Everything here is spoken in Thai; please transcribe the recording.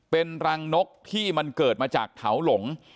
เป็นรังนกที่มันเกิดมาจากเถาหลง